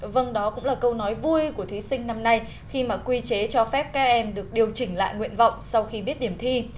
vâng đó cũng là câu nói vui của thí sinh năm nay khi mà quy chế cho phép các em được điều chỉnh lại nguyện vọng sau khi biết điểm thi